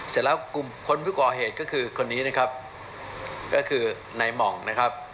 เสร็จแล้วกลุ่มคนผู้ก่อเหตุก็คือคนนี้นะครับก็คือนายหม่องนะครับ